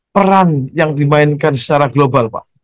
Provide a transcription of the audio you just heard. peran yang dimainkan secara global pak